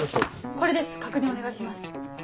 これです確認お願いします。